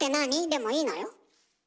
でもいいのよ。